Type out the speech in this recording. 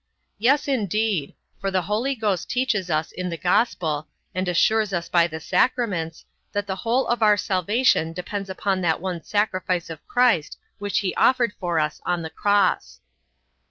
Yes, indeed: for the Holy Ghost teaches us in the gospel, and assures us by the sacraments, that the whole of our salvation depends upon that one sacrifice of Christ which he offered for us on the cross.